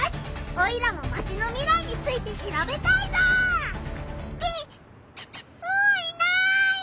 オイラもマチの未来についてしらべたいぞ！ってもういない！